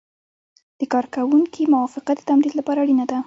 د کارکوونکي موافقه د تمدید لپاره اړینه ده.